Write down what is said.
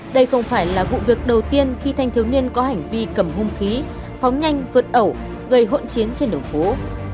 đây không phải là vụ việc đầu tiên khi thanh thiếu niên có hành vi cầm hung khí phóng nhanh vượt ẩu gây hộn chiến trên đường phố